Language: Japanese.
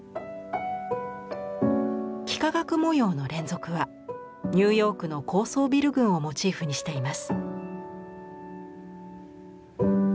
幾何学模様の連続はニューヨークの高層ビル群をモチーフにしています。